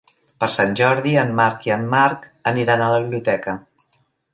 Per Sant Jordi en Marc i en Marc aniran a la biblioteca.